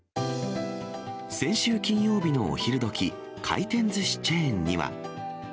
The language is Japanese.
先週金曜日のお昼どき、回転ずしチェーンには。